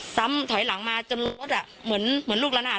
ซ้ำถอยหลังมาจนรถเหมือนลูกละนาด